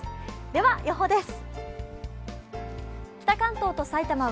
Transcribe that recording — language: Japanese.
では、予報です。